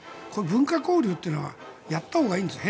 文化交流っていうのはやったほうがいいんです。